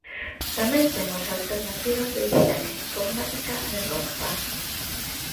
Tamén temos alternativas de hixiene, cosmética e roupa.